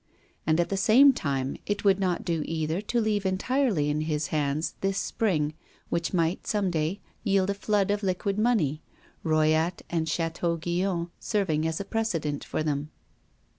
And at the same time it would not do either to leave entirely in his hands this spring, which might, some day, yield a flood of liquid money, Royat and Chatel Guyon serving as a precedent for them.